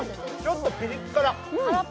ちょっとピリ辛。